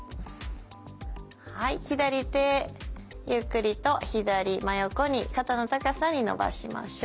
はい左手ゆっくりと左真横に肩の高さに伸ばしましょう。